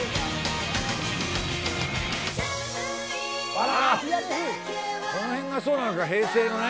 あらこの辺がそうなのか平成のね。